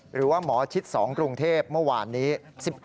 หรือว่าหมอชิด๒กรุงเทพเมื่อวานนี้